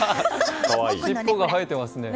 尻尾が生えてますね。